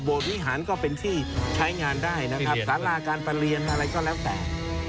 วิหารก็เป็นที่ใช้งานได้นะครับสาราการประเรียนอะไรก็แล้วแต่